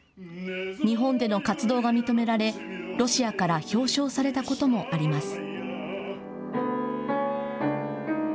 日本での活動が認められロシアから表彰されたこともあります。